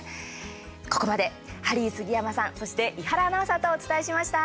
ここまで、ハリー杉山さんそして、伊原アナウンサーとお伝えしました。